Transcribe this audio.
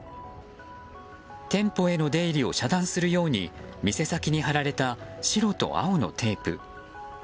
店舗への出入りを遮断するように店先に張られた白と青のテープ。